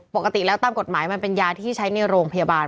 ปกติแล้วตามกฎหมายมันเป็นยาที่ใช้ในโรงพยาบาล